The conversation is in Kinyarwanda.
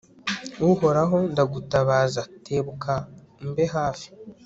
uhoraho, ndagutabaza, tebuka umbe hafi